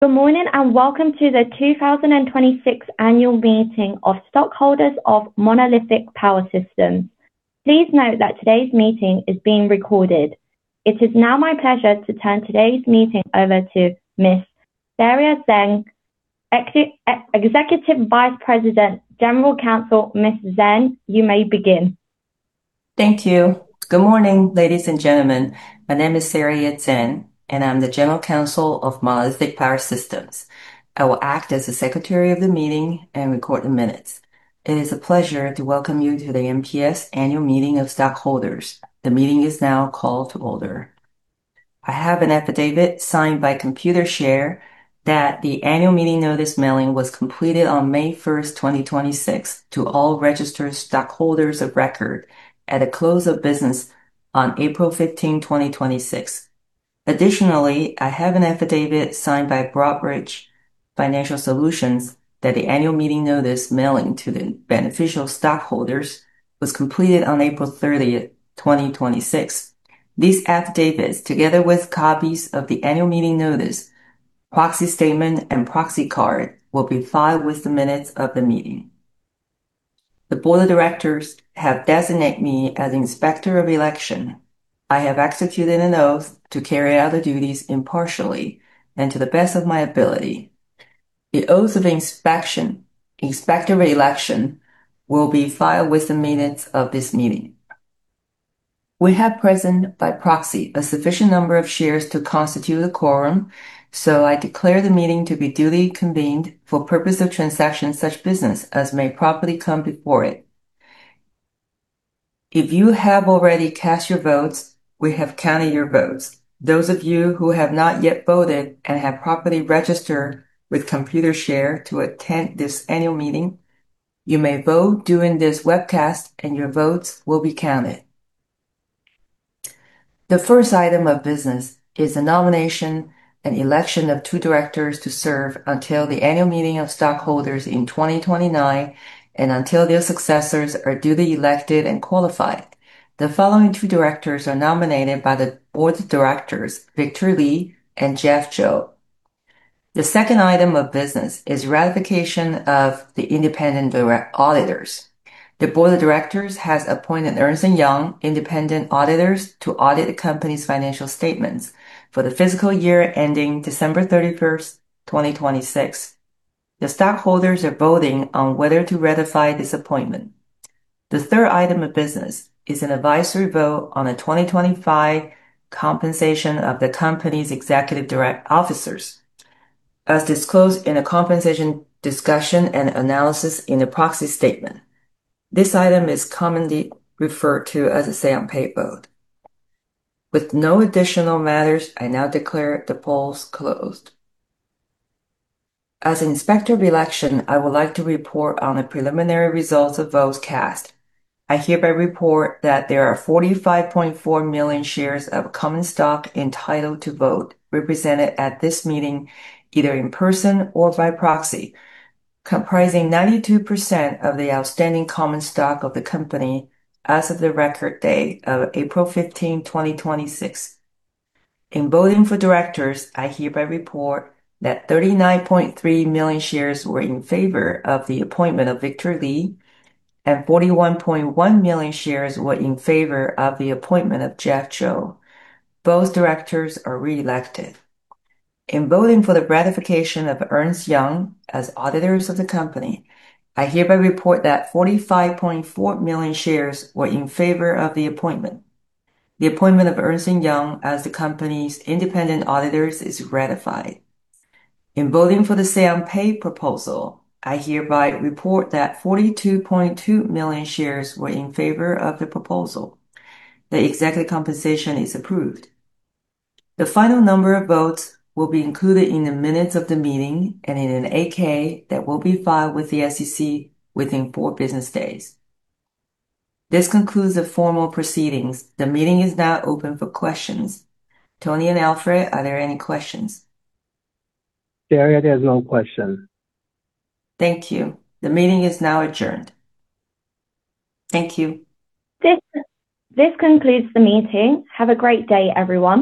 Good morning, and welcome to the 2026 annual meeting of stockholders of Monolithic Power Systems. Please note that today's meeting is being recorded. It is now my pleasure to turn today's meeting over to Ms. Saria Tseng, Executive Vice President, General Counsel. Ms. Tseng, you may begin. Thank you. Good morning, ladies and gentlemen. My name is Saria Tseng, I'm the General Counsel of Monolithic Power Systems. I will act as the secretary of the meeting and record the minutes. It is a pleasure to welcome you to the MPS annual meeting of stockholders. The meeting is now called to order. I have an affidavit signed by Computershare that the annual meeting notice mailing was completed on May 1st, 2026, to all registered stockholders of record at the close of business on April 15, 2026. Additionally, I have an affidavit signed by Broadridge Financial Solutions that the annual meeting notice mailing to the beneficial stockholders was completed on April 30th, 2026. These affidavits, together with copies of the annual meeting notice, proxy statement, and proxy card, will be filed with the minutes of the meeting. The board of directors have designated me as Inspector of Election. I have executed an oath to carry out the duties impartially and to the best of my ability. The oath of Inspector of Election will be filed with the minutes of this meeting. We have present by proxy a sufficient number of shares to constitute a quorum, I declare the meeting to be duly convened for purpose of transacting such business as may properly come before it. If you have already cast your votes, we have counted your votes. Those of you who have not yet voted and have properly registered with Computershare to attend this annual meeting, you may vote during this webcast, your votes will be counted. The first item of business is the nomination and election of two directors to serve until the annual meeting of stockholders in 2029 and until their successors are duly elected and qualified. The following two directors are nominated by the board of directors: Victor Lee and Jeff Zhou. The second item of business is ratification of the independent auditors. The board of directors has appointed Ernst & Young independent auditors to audit the company's financial statements for the fiscal year ending December 31st, 2026. The stockholders are voting on whether to ratify this appointment. The third item of business is an advisory vote on the 2025 compensation of the company's executive officers, as disclosed in a compensation discussion and analysis in the proxy statement. This item is commonly referred to as a say on pay vote. With no additional matters, I now declare the polls closed. As Inspector of Election, I would like to report on the preliminary results of votes cast. I hereby report that there are 45.4 million shares of common stock entitled to vote represented at this meeting, either in person or by proxy, comprising 92% of the outstanding common stock of the company as of the record date of April 15, 2026. In voting for directors, I hereby report that 39.3 million shares were in favor of the appointment of Victor Lee, and 41.1 million shares were in favor of the appointment of Jeff Zhou. Both directors are re-elected. In voting for the ratification of Ernst & Young as auditors of the company, I hereby report that 45.4 million shares were in favor of the appointment. The appointment of Ernst & Young as the company's independent auditors is ratified. In voting for the say on pay proposal, I hereby report that 42.2 million shares were in favor of the proposal. The executive compensation is approved. The final number of votes will be included in the minutes of the meeting and in an 8-K that will be filed with the SEC within four business days. This concludes the formal proceedings. The meeting is now open for questions. Tony and Alfred, are there any questions? Saria, there's no question. Thank you. The meeting is now adjourned. Thank you. This concludes the meeting. Have a great day, everyone.